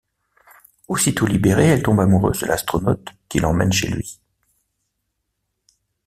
Aussitôt libérée, elle tombe amoureuse de l'astronaute qui l'emmène chez lui.